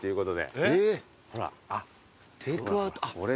テークアウト。